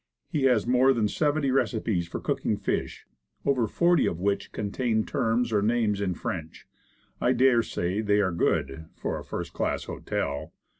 He has more than seventy receipts for cooking fish, over forty of which contain terms or names in French. I dare say they are good for a first class hotel.